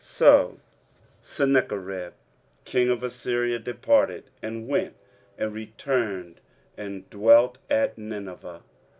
23:037:037 So Sennacherib king of Assyria departed, and went and returned, and dwelt at Nineveh.